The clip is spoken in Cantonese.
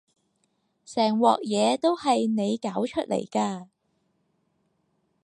成鑊嘢都係你搞出嚟㗎